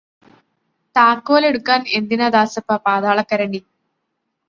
താക്കോലെടുക്കാൻ എന്തിനാ ദാസപ്പാ പാതാളക്കരണ്ടി.